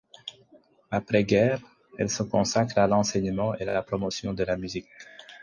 Après guerre, elle se consacre à l'enseignement et la promotion de la musique.